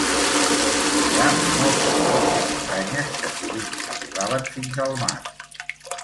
Hi ha molts fiords i muntanyes que sovint arribaven fins al mar.